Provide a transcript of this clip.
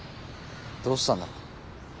どうしたんだろう？